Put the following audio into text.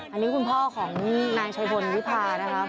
อันนี้คุณพ่อของนายสะพนวิภานะครับ